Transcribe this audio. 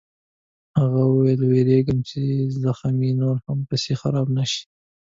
هغه وویل: وېرېږم چې زخم یې نور هم پسې خراب نه شي.